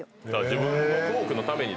自分のトークのためにというか。